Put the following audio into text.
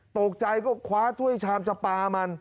ตกใจก็คว้าถ้วยชามจะปลามัน